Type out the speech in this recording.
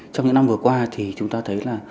trong những năm vừa qua thì chúng ta thấy là